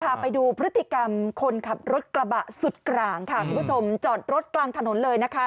พาไปดูพฤติกรรมคนขับรถกระบะสุดกลางค่ะคุณผู้ชมจอดรถกลางถนนเลยนะคะ